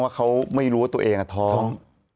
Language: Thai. เขาไม่รู้ว่าตัวเองท้อง